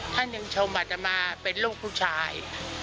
ท่านหนึ่งชมอาจจะมาเป็นลูกผู้ชาย